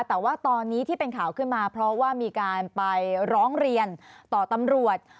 แต่ว่าตอนนี้ที่เป็นข่าวขึ้นมาเพราะว่ามีการไปร้องเรียนต่อตำรวจ